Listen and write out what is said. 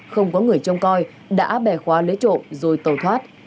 không có người trông coi đã bẻ khóa lấy trộm rồi tàu thoát